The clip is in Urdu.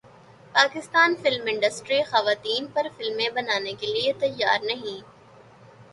پاکستان فلم انڈسٹری خواتین پر فلمیں بنانے کیلئے تیار نہیں